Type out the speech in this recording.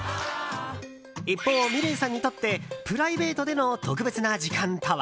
一方、ｍｉｌｅｔさんにとってプライベートでの特別な時間とは。